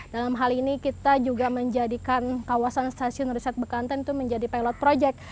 dalam hal ini kita juga menjadikan kawasan stasiun riset bekantan itu menjadi pilot project